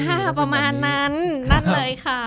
อ่าประมาณนั้นนั่นเลยค่ะ